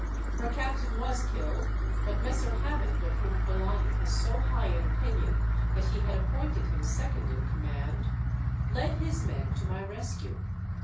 Her captain was killed, but Messer Hammond of whom Polani has so high an opinion that he had appointed him second in command led his men to my rescue.